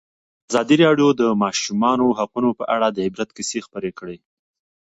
ازادي راډیو د د ماشومانو حقونه په اړه د عبرت کیسې خبر کړي.